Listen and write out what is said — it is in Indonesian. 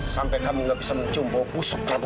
sampai kamu gak bisa mencumbau busuknya itu ya amira